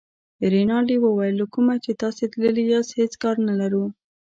رینالډي وویل له کومه چې تاسي تللي یاست هېڅ کار نه لرو.